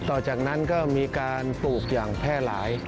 ต่อจากนั้นก็มีการปลูกอย่างแพร่หลาย